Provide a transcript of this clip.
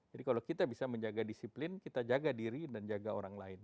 jadi kalau kita bisa menjaga disiplin kita jaga diri dan jaga orang lain